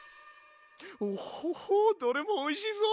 おほほどれもおいしそう！